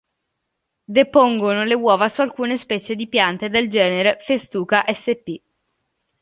Depongono le uova su alcune specie di piante del genere "Festuca sp".